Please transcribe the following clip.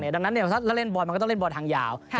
ถ้าเล่นบอร์ดมันก็ต้องเล่นบอร์ดทางยาว